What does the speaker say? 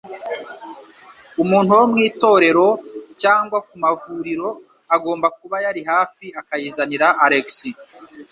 Umuntu wo mu itorero cyangwa ku mavuriro agomba kuba yari hafi akayizanira Alex.